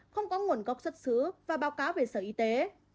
không có nguồn gốc xuất xứ và báo cáo về sở y tế